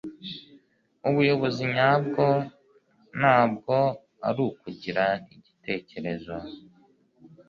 ubuyobozi nyabwo ntabwo ari ukugira igitekerezo